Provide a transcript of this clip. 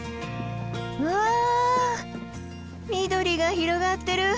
わあ緑が広がってる！